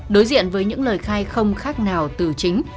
đối diện với những lời khai không khác nào từ chính